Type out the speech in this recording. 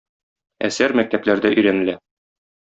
Әсәр мәктәпләрдә өйрәнелә.